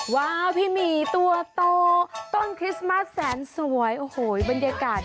ว้าวพี่หมี่ตัวโตต้นคริสต์มัสแสนสวยโอ้โหบรรยากาศ